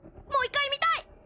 もう一回見たい！